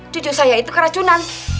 cucu saya itu keracunan